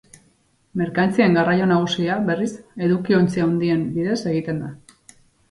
Merkantzien garraio nagusia, berriz, edukiontzi handien bidez egiten da.